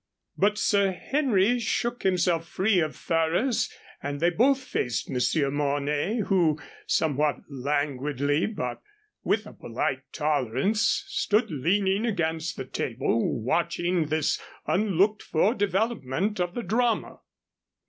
But Sir Henry shook himself free of Ferrers, and they both faced Monsieur Mornay, who, somewhat languidly, but with a polite tolerance, stood leaning against the table watching this unlooked for development of the drama.